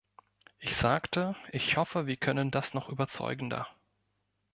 Ich sagte: „Ich hoffe, wir können das noch überzeugender.“